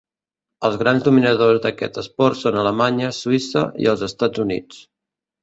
Els grans dominadors d'aquest esport són Alemanya, Suïssa i els Estats Units.